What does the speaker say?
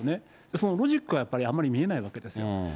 そのロジックはあまり見えないわけですよ。